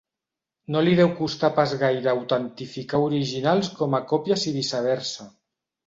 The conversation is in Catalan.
No li deu costar pas gaire autentificar originals com a còpies i viceversa.